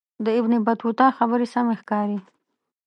د ابن بطوطه خبرې سمې ښکاري.